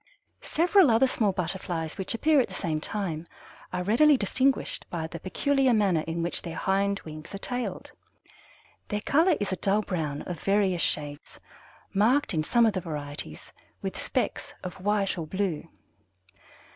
Several other small Butterflies which appear at the same time are readily distinguished by the peculiar manner in which their hind wings are tailed. Their color is a dull brown of various shades, marked in some of the varieties with specks of white or blue.